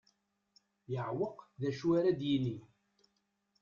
Yeɛweq d acu ara d-yini.